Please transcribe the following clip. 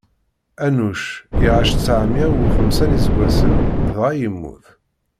Anuc iɛac tteɛmeyya u xemsa n iseggasen, dɣa yemmut.